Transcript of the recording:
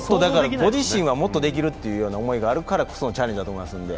ご自身はもっとできるという思いがあるからゃこそのチャレンジだと思うんで。